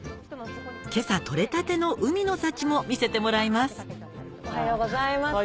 今朝とれたての海の幸も見せてもらいますおはようございます。